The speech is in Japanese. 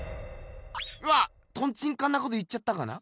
わっトンチンカンなこと言っちゃったかな。